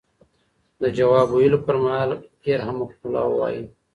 د ځواب ویلو پر مهال یرحمکم الله ووایئ.